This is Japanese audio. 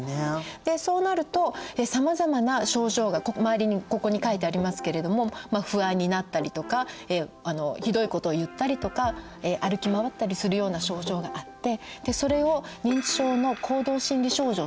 そうなるとさまざまな症状が周りにここに書いてありますけれども不安になったりとかひどいことを言ったりとか歩き回ったりするような症状があってそれを認知症の行動心理症状といいます。